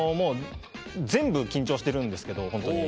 全部緊張してるんですけど本当に。